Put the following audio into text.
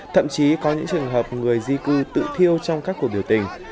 thậm chí có những trường hợp người di cư tự thiêu trong các cuộc biểu tình